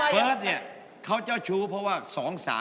เบิร์ตเนี่ยเขาเจ้าชู้เพราะว่า๒๓